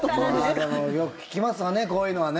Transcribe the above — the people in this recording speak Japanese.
でも、よく聞きますわねこういうのはね。